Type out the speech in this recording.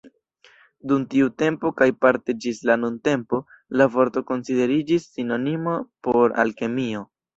Dum tiu tempo kaj parte ĝis la nuntempo, la vorto konsideriĝis sinonimo por Alkemio.